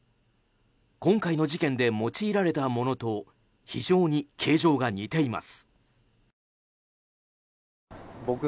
今回の事件で用いられたものと非常に形状が似ています。